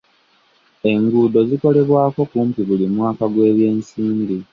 Enguudo zikolebwako kumpi buli mwaka gw'ebyensimbi.